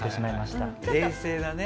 冷静だね。